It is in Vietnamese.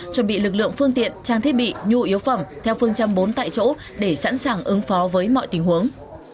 chuẩn bị lực lượng phương tiện trang thiết bị nhu yếu phẩm theo phương châm bốn tại chỗ để sẵn sàng ứng phó với mọi tình huống